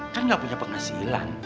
kan gak punya penghasilan